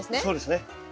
そうですね。